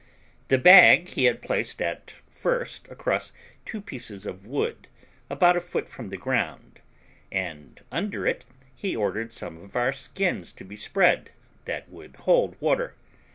The bag he had placed at first across two pieces of wood, about a foot from the ground; and under it he ordered some of our skins to be spread that would hold water.